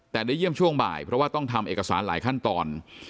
แต่ได้เยี่ยมช่วงบ่ายเพราะว่าต้องทำเอกสารหลายขั้นตอน